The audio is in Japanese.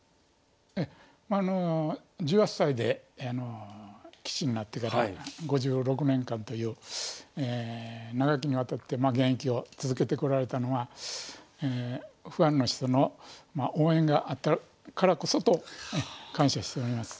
ええまああの１８歳で棋士になってから５６年間という長きにわたって現役を続けてこられたのはファンの人の応援があったからこそと感謝しております。